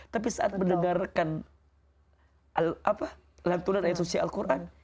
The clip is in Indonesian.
tapi saat mendengarkan lantunan ayat suci al quran